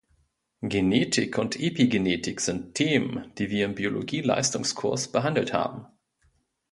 Genetik und Epigenetik sind Themen, die wir im Biologie Leistungskurs behandelt haben